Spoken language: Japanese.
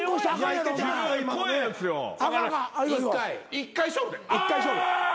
１回勝負で「あ！」で勝負？